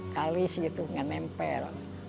kalis gitu nggak nempel